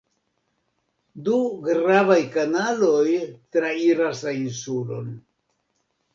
Du gravaj kanaloj trairas la insulon.